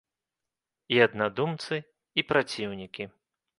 І аднадумцы, і праціўнікі.